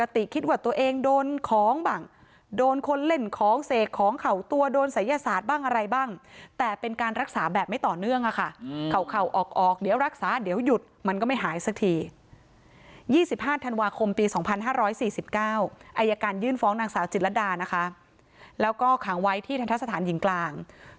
ที่ฟ้องนางสาวจิตรดานะคะแล้วก็ขังไว้ที่ทันทรสถานยิงกลาง